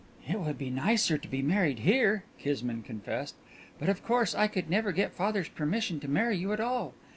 "It would be nicer to be married here," Kismine confessed, "but of course I could never get father's permission to marry you at all.